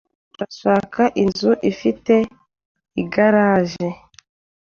Turashaka inzu ifite igaraje.